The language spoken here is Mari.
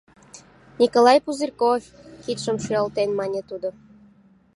Николай Пузырьков, — кидшым шуялтен, мане тудо.